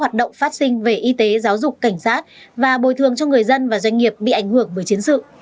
hoạt động phát sinh về y tế giáo dục cảnh sát và bồi thường cho người dân và doanh nghiệp bị ảnh hưởng bởi chiến sự